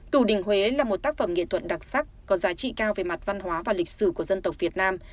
tù đình huế là một tác phẩm nghệ thuật đặc sắc có giá trị cao về mặt văn hóa và lịch sử của dân tộc việt nam